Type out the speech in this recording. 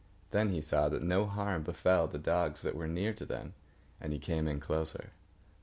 Then he saw that no harm befell the dogs that were near to them, and he came in closer.